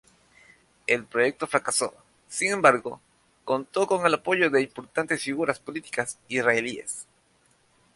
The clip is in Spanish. El proyecto fracasó, sin embargo contó con el apoyo de importantes figuras políticas israelíes.